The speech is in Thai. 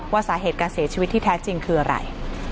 สาเหตุการเสียชีวิตที่แท้จริงคืออะไร